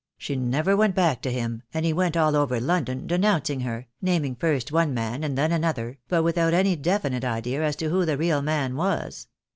She never went back to him, and he went all over London denounc ing her, naming first one man and then another, but without any definite idea as to who the real man was.